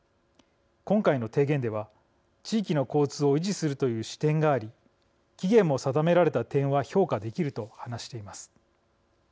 今回の提言では地域の交通を維持するという視点があり期限も定められた点は評価できる」と話しています。